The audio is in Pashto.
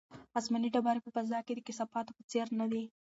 آسماني ډبرې په فضا کې د کثافاتو په څېر نه دي.